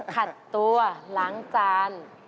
ขัดตัวล้างจาน